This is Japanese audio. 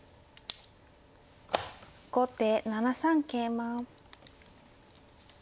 後手７三桂馬。